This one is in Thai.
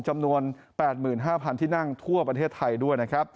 จำนวน๘๕๐๐ที่นั่งทั่วประเทศไทยด้วยนะครับ